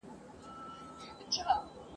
په مشاعره کي دیکلمه کړی دی !.